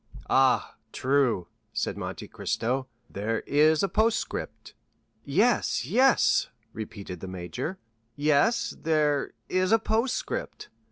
"Ah, true," said Monte Cristo "there is a postscript." "Yes, yes," repeated the major, "yes—there—is—a—postscript."